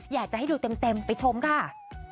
อยากจะให้ดูเต็มไปชมค่ะ